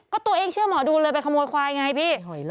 ก็ตัวเองเชื่อหมอดูเลยไปขโมยควายไงพี่